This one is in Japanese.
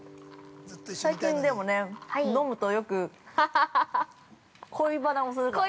最近でもね、飲むとよく恋バナをするからね。